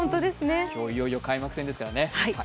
今日いよいよ開幕戦ですからね。